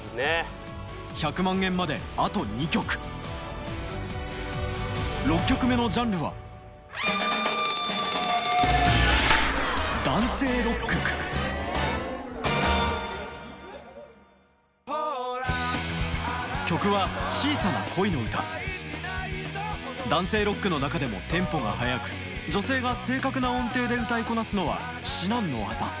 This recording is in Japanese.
１００万円まであと２曲６曲目のジャンルは曲は男性ロックの中でもテンポが速く女性が正確な音程で歌いこなすのは至難の業